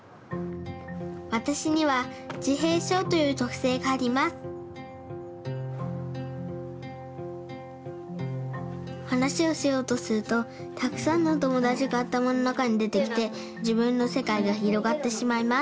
わたしにはじへいしょうというとくせいがありますはなしをしようとするとたくさんのおともだちがあたまのなかにでてきてじぶんのせかいがひろがってしまいます